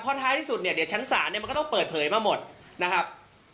เพราะท้ายที่สุดเนี่ยเดี๋ยวชั้นศาลเนี่ยมันก็ต้องเปิดเผยมาหมดนะครับ